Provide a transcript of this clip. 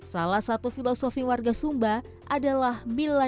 salah satu filosofi yang menarik adalah bahwa nasi yang terbuka adalah nasi yang terbuka